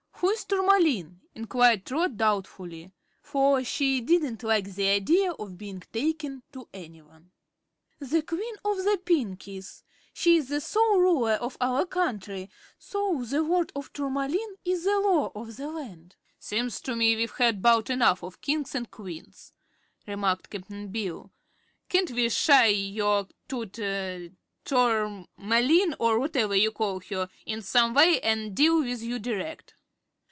"Who is Tourmaline?" inquired Trot, doubtfully, for she didn't like the idea of being "taken" to anyone. "The Queen of the Pinkies. She is the sole Ruler of our country, so the word of Tourmaline is the Law of the Land." "Seems to me we've had 'bout enough of kings an' queens," remarked Cap'n Bill. "Can't we shy your Tut Tor mar line or whatever you call her in some way, an' deal with you direct?"